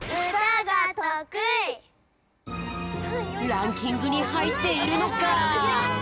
ランキングにはいっているのか？